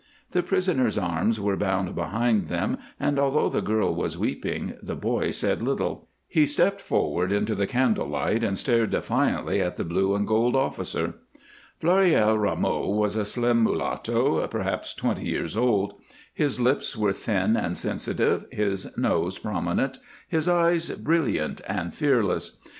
The prisoners' arms were bound behind them, and although the girl was weeping, the boy said little. He stepped forward into the candle light and stared defiantly at the blue and gold officer. Floréal Rameau was a slim mulatto, perhaps twenty years old; his lips were thin and sensitive, his nose prominent, his eyes brilliant and fearless.